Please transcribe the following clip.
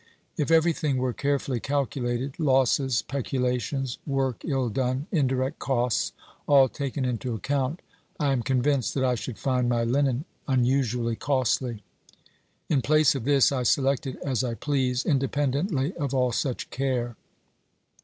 If everything were carefully calculated — losses, peculations, work ill done, indirect costs — all taken into account, I am convinced that I should find my linen unusually costly. In place of this, I select it as I please, independently of all such care.